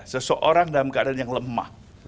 seseorang dalam keadaan yang lemah